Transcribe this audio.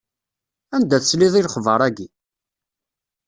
Anda tesliḍ i lexber-ayi?